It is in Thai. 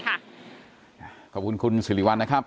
ขอบคุณคุณสิริวัลนะครับ